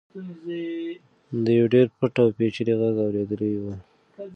ده یو ډېر پټ او پېچلی غږ اورېدلی و.